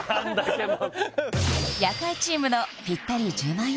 夜会チームのぴったり１０万円